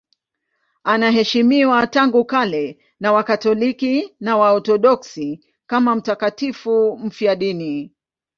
Anaheshimiwa tangu kale na Wakatoliki na Waorthodoksi kama mtakatifu mfiadini.